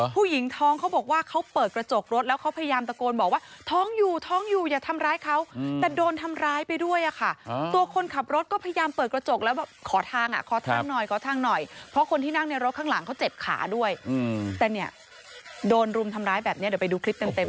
ผู้หญิงท้องเขาบอกว่าเขาเปิดกระจกรถแล้วเขาพยายามตะโกนบอกว่าท้องอยู่ท้องอยู่อย่าทำร้ายเขาแต่โดนทำร้ายไปด้วยอะค่ะตัวคนขับรถก็พยายามเปิดกระจกแล้วขอทางอ่ะขอทางหน่อยขอทางหน่อยเพราะคนที่นั่งในรถข้างหลังเขาเจ็บขาด้วยแต่เนี่ยโดนรุมทำร้ายแบบนี้เดี๋ยวไปดูคลิปเต็ม